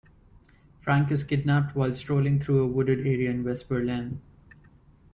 Frank is kidnapped while strolling through a wooded area in West Berlin.